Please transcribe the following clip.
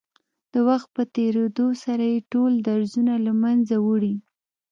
د وخت په تېرېدو سره يې ټول درځونه له منځه وړي.